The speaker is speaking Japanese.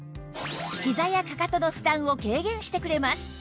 ひざやかかとの負担を軽減してくれます